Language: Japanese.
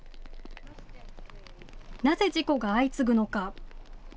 なぜ事故が相次ぐのか。